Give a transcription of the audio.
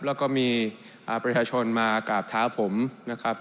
แล้วก็มีประชาชนมากราบเท้าผมนะครับ